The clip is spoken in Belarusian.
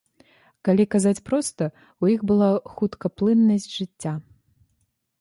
Калі казаць проста, у іх была хуткаплыннасць жыцця.